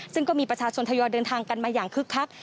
ซึ่งก็มีประชาชนทยอยเดินทางกันมาอย่างคึกคัก